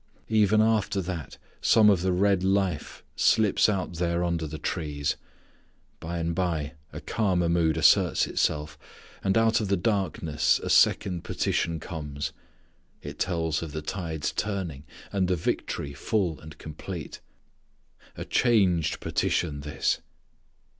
Even after that some of the red life slips out there under the trees. By and by a calmer mood asserts itself, and out of the darkness a second petition comes. It tells of the tide's turning, and the victory full and complete. A changed, petition this!